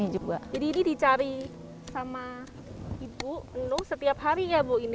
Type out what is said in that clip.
jadi ini dicari sama ibu nung setiap hari ya bu